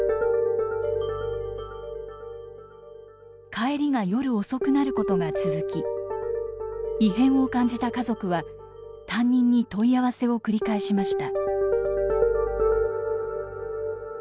帰りが夜遅くなることが続き異変を感じた家族は担任に問い合わせを繰り返しました。